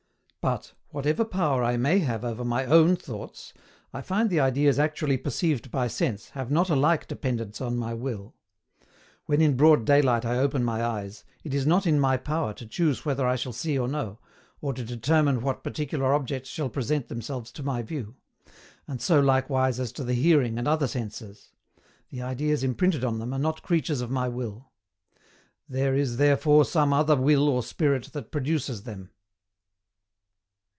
But, whatever power I may have over MY OWN thoughts, I find the ideas actually perceived by Sense have not a like dependence on my will. When in broad daylight I open my eyes, it is not in my power to choose whether I shall see or no, or to determine what particular objects shall present themselves to my view; and so likewise as to the hearing and other senses; the ideas imprinted on them are not creatures of my will. There is THEREFORE SOME OTHER WILL OR SPIRIT that PRODUCES THEM.